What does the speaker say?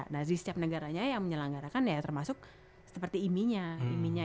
nah di setiap negaranya yang menyelenggarakan ya termasuk seperti imi nya